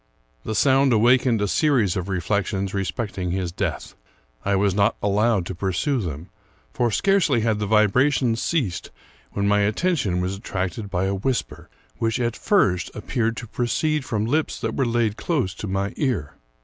The sound awakened a series of reflections respect ing his death. I was not allowed to pursue them ; for scarcely had the vibrations ceased, when my attention was attracted by a whisper, which, at first, appeared to proceed from lips that were laid close to my ear.